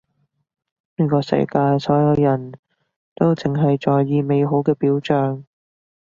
呢個世界所有人都淨係在意美好嘅表象